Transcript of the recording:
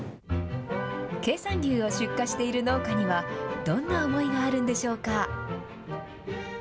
経産牛を出荷している農家には、どんな思いがあるんでしょうか。